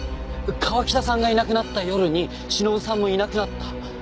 川喜多さんがいなくなった夜に忍さんもいなくなった。